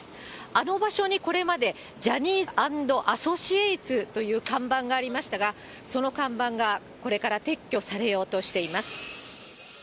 あの場所にこれまで、ジャニーアンドアソシエイツという看板がありましたが、その看板がこれから撤去されようとしています。